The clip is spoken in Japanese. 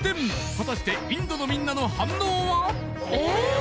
果たしてインドのみんなの反応は？